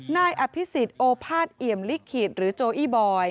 นายอภิษฎโอภาษเอี่ยมลิขิตหรือโจอี้บอย